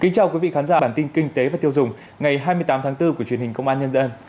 chào mừng quý vị đến với bản tin kinh tế và tiêu dùng ngày hai mươi tám tháng bốn của truyền hình công an nhân dân